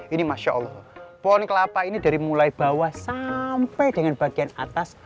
ini masya allah pohon kelapa ini dari mulai bawah sampai dengan bagian atas